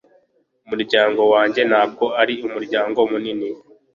Umuryango wanjye ntabwo ari umuryango munini